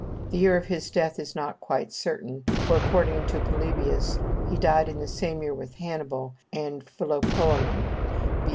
The year of his death is not quite certain; for, according to Polybius, he died in the same year with Hannibal and Philopoemen (B.